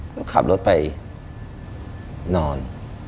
ก็ขับรถไปนอน